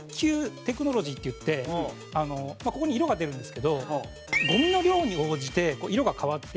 テクノロジーっていってここに色が出るんですけどゴミの量に応じて色が変わっていって。